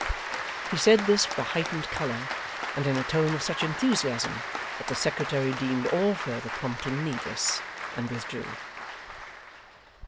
He said this with a heightened colour, and in a tone of such enthusiasm, that the secretary deemed all further prompting needless, and withdrew.